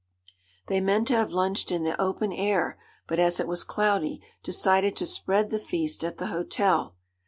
They meant to have lunched in the open air; but, as it was cloudy, decided to spread the feast at the hotel.